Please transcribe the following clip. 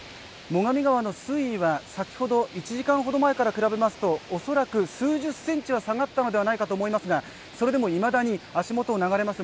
最上川の水位は先ほど１時間ほど前から比べますと恐らく、数十ｃｍは下がったのではないかと思いますがそれでもいまだに足元を流れます